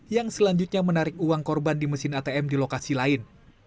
yang selanjutnya menarik uang korban di mesin atm di lokasi lain